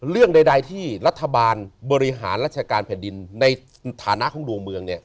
เรื่องใดที่รัฐบาลบริหารราชการแผ่นดินในฐานะของดวงเมืองเนี่ย